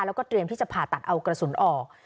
แล้วก็เตรียมที่จะผ่าตัดเอากระสุนออก